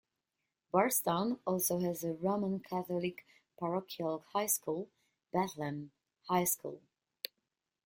Bardstown also has a Roman Catholic parochial high school, Bethlehem High School.